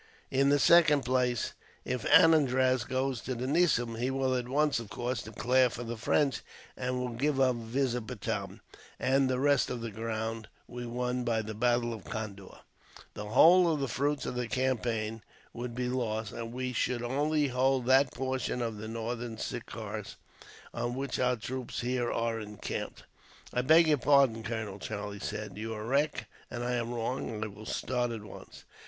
In the second place, if Anandraz goes to the nizam he will at once, of course, declare for the French, and will give up Vizapatam and the rest of the ground we won by the battle of Condore. The whole of the fruits of the campaign would be lost, and we should only hold that portion of the Northern Sirkars on which our troops here are encamped." "I beg your pardon, Colonel," Charlie said. "You are right, and I am wrong. I will start at once."